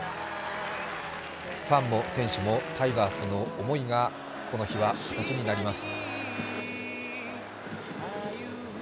ファンも選手もタイガースの思いがこの日は一つになります。